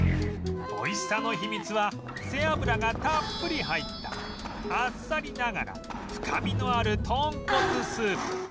美味しさの秘密は背脂がたっぷり入ったあっさりながら深みのあるとんこつスープ